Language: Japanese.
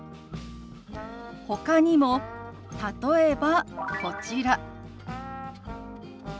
ほかにも例えばこちら。